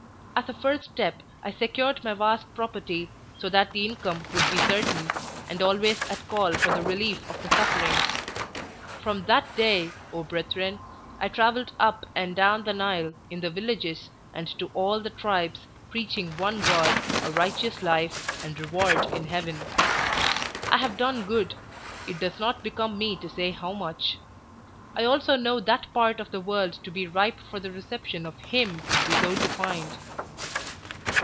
As a first step, I secured my vast property, so that the income would be certain, and always at call for the relief of the suffering. From that day, O brethren, I travelled up and down the Nile, in the villages, and to all the tribes, preaching One God, a righteous life, and reward in Heaven. I have done good—it does not become me to say how much. I also know that part of the world to be ripe for the reception of Him we go to find."